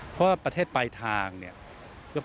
เพราะว่าประเทศปลายทางยกตัวอย่างนึง